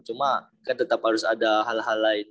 cuma kan tetep harus ada hal hal lain kan